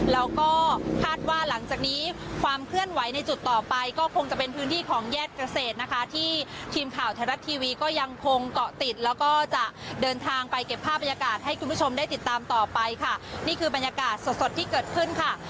แล้วก็คาดว่าหลังจากนี้ความเคลื่อนไหวในจุดต่อไปก็คงจะเป็นพื้นที่ของแยกเกษตรนะคะที่ทีมข่าวไทยรัฐทีวีก็ยังคงเกาะติดแล้วก็จะเดินทางไปเก็บภาพบรรยากาศให้คุณผู้ชมได้ติดตามต่อไปค่ะนี่คือบรรยากาศสดสดที่เกิดขึ้นค่ะ